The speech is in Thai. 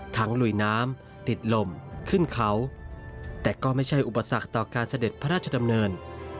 ลุยน้ำติดลมขึ้นเขาแต่ก็ไม่ใช่อุปสรรคต่อการเสด็จพระราชดำเนิน